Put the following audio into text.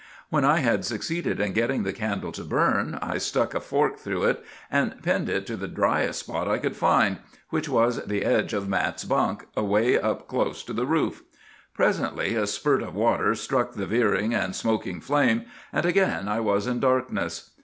When I had succeeded in getting the candle to burn, I stuck a fork through it, and pinned it to the driest spot I could find, which was the edge of Mat's bunk, away up close to the roof. Presently a spurt of water struck the veering and smoky flame, and again I was in darkness.